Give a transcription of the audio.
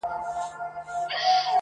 واه واه، خُم د شرابو ته راپرېوتم، بیا.